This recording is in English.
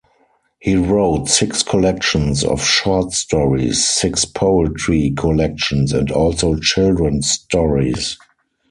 He wrote six collections of short stories, six poetry collections, and also children stories.